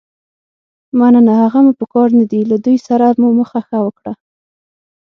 مننه، هغه مو په کار نه دي، له دوی سره مو مخه ښه وکړه.